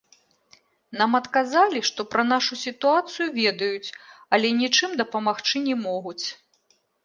Нам адказалі, што пра нашу сітуацыю ведаюць, але нічым дапамагчы не могуць.